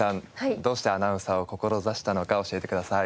どうしてアナウンサーを志したのか教えてください。